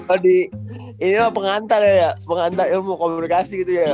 oh di ini pengantar ya ya pengantar ilmu komunikasi gitu ya